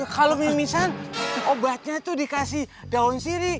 kalau mimisan obatnya itu dikasih daun siri